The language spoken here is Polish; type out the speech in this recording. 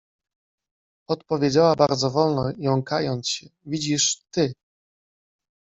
Od powiedziała bardzo wolno, jąkając się: — Widzisz, ty.